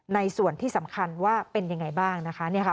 ส่วนที่สำคัญว่าเป็นยังไงบ้างนะคะ